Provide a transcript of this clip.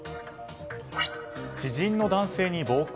知人の男性に暴行。